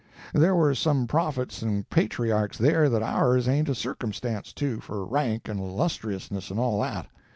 There were some prophets and patriarchs there that ours ain't a circumstance to, for rank and illustriousness and all that.